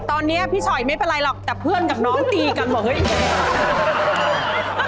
ตอนนี้พี่ฉอยไม่เป็นไรหรอกแต่เพื่อนกับน้องตีกันบอกเฮ้ย